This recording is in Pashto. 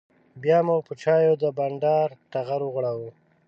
بیا مو پر چایو د بانډار ټغر وغوړاوه.